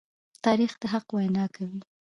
تاریخ د حق وینا کوي.